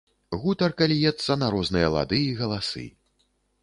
Гутарка льецца на розныя лады і галасы.